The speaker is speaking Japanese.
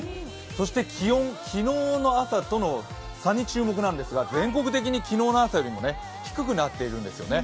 そして気温、昨日の朝との差に注目なんですが、全国的に昨日の朝よりも低くなっているんですよね。